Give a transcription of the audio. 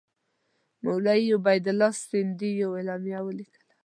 مولوي عبیدالله سندي یوه اعلامیه ولیکله.